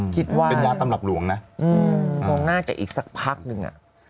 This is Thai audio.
คิดว่าอืมน่าจะอีกสักพักนึง